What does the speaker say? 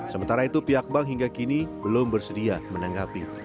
sementara itu pihak bank hingga kini belum bersedia menanggapi